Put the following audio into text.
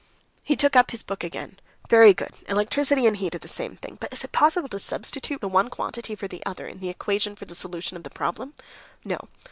He took up his book again. "Very good, electricity and heat are the same thing; but is it possible to substitute the one quantity for the other in the equation for the solution of any problem? No.